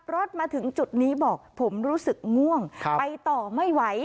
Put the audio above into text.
มาถึงจุดนี้บอกผมรู้สึกง่วงไปต่อไม่ไหว